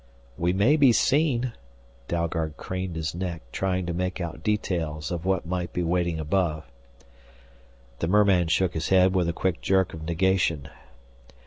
"We may be seen " Dalgard craned his neck, trying to make out details of what might be waiting above. The merman shook his head with a quick jerk of negation.